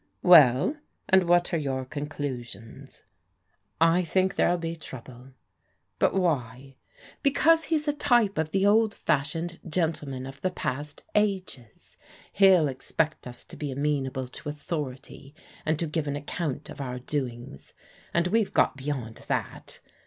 " Well, and what are your conclusions? "" I think there'll be trouble." " But why ?"" Because he's a type of the old fashioned gentleman of the past ages. He'll expect us to be amenable to au thority, and to give an account of our doings. And we've got beyond that.